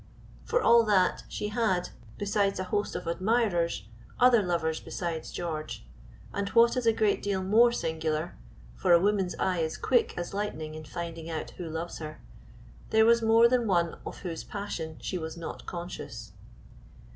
For all that she had, besides a host of admirers, other lovers besides George; and what is a great deal more singular (for a woman's eye is quick as lightning in finding out who loves her), there was more than one of whose passion she was not conscious.